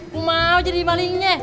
gue mau jadi malingnya